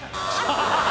ハハハハハ！